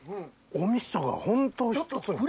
お味噌がホントおいしい。